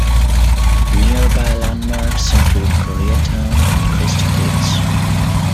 Nearby landmarks include Korea Town and Christie Pits.